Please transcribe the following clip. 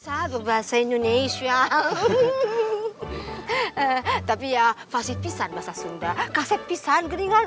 sahabat bahasa indonesia tapi ya fasid pisan bahasa sunda kaset pisan keringan